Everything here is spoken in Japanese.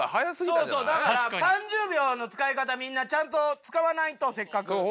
だから３０秒の使い方みんなちゃんと使わないとせっかく。